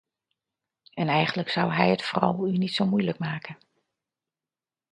En eigenlijk zou hij het vooral u niet zo moeilijk maken.